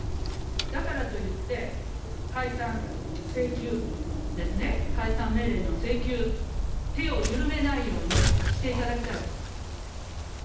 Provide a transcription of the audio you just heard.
だからといって、解散請求ですね、解散命令の請求、手を緩めないようにしていただきたいと。